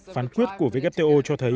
phán quyết của wto cho thấy